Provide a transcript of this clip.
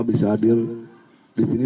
bisa hadir disini